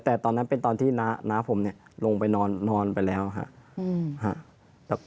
แต่ตอนนั้นเป็นตอนที่น้าผมเนี่ยลงไปนอนไปแล้วครับ